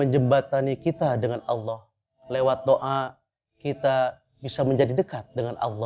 engkau pasti kangen sekali sama papa ya